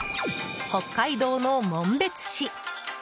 北海道の紋別市。